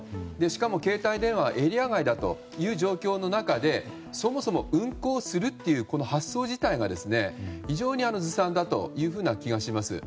しかも携帯電話がエリア外だという状況の中でそもそも運航するという発想自体が非常にずさんだという気がします。